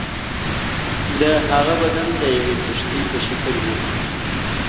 د هغه بدن د یوې کښتۍ په شکل وو.